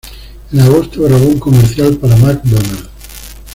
En agosto, grabó un comercial para McDonald's.